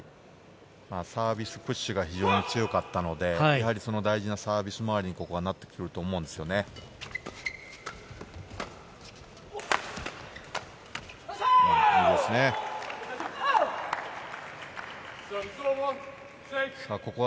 サービスプッシュが非常に強かったので、大事なサービスまわりになってくると思うんですよね、ここは。